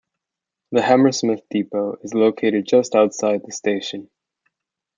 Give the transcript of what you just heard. The Hammersmith depot is located just outside the station.